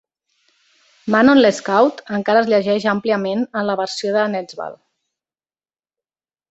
"Manon Lescaut" encara es llegeix àmpliament en la versió de Nezval.